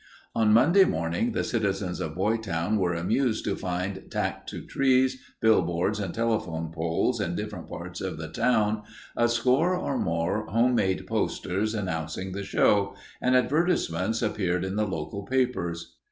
On Monday morning the citizens of Boytown were amused to find tacked to trees, billboards, and telephone poles in different parts of the town a score or more home made posters announcing the show, and advertisements appeared in the local papers.